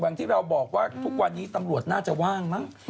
อย่างที่เราบอกว่าทุกวันนี้ตำรวจน่าจะว่างมั้ง